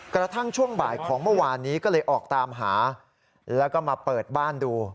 กระทั่งช่วงบ่ายของเมื่อวานนี้ก็เลยออกตามหาแล้วก็มาเปิดบ้านดู